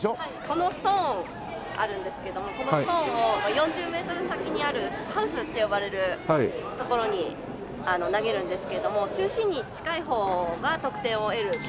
このストーンあるんですけどもこのストーンを４０メートル先にあるハウスって呼ばれる所に投げるんですけれども中心に近い方が得点を得る権利が。